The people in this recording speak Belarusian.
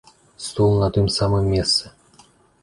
Стол на тым самым месцы.